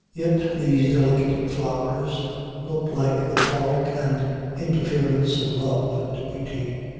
Yet these delicate flowers look like the frolic and interference of love and beauty.